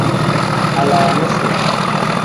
Alaamisi.